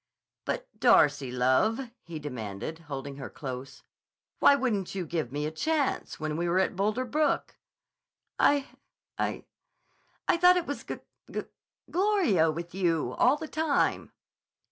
"But, Darcy, love," he demanded, holding her close, "why wouldn't you give me a chance, when we were at Boulder Brook?" "I—I—I thought it was G g g gloria with you, all the time."